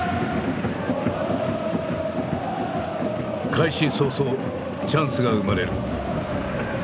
開始早々チャンスが生まれる。